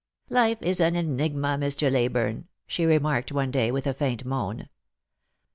" Life is an enigma, Mr. Leyburne," she remarked one day, with a faint moan.